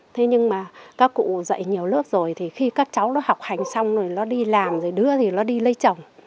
thế nhưng mà các cụ dạy nhiều lớp rồi thì khi các cháu nó học hành xong rồi nó đi làm rồi đưa thì nó đi lấy chồng